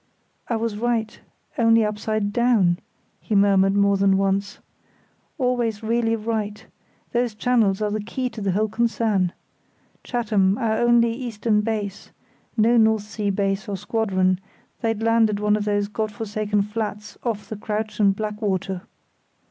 "I was right—only upside down," he murmured more than once. "Always really right—those channels are the key to the whole concern. Chatham, our only eastern base—no North Sea base or squadron—they'd land at one of those God forsaken flats off the Crouch and Blackwater."